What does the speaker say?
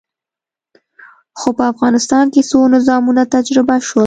خو په افغانستان کې څو نظامونه تجربه شول.